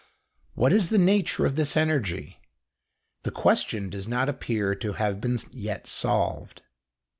What is the nature of this energy? The question does not appear to have been yet solved.